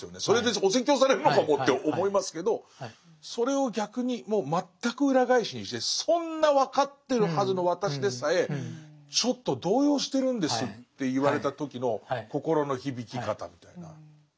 それでお説教されるのかもって思いますけどそれを逆にもう全く裏返しにしてそんな分かってるはずの私でさえちょっと動揺してるんですって言われた時の心の響き方みたいな。